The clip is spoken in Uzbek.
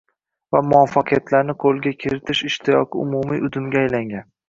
va muvaffaqiyatlarni qo’lga kiritish ishtiyoqi umumiy “udum”ga aylangan.